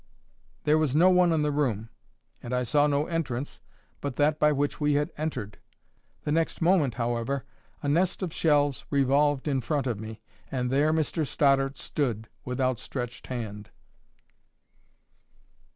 There was no one in the room, and I saw no entrance but that by which we had entered. The next moment, however, a nest of shelves revolved in front of me, and there Mr Stoddart stood with outstretched hand.